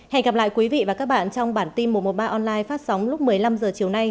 hẹn gặp lại quý vị và các bạn trong bản tin một trăm một mươi ba online phát sóng lúc một mươi năm h chiều nay